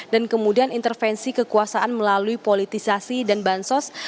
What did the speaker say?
dan kemudian intervensi kekuasaan melalui politisasi dan bansos